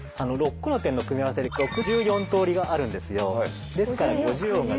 ６個の点の組み合わせで６４通りがあるんですよ。